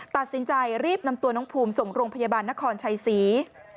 ตัดสินใจรีบนำตัวน้องภูมิส่งโรงพยาบาลนครชัยศรี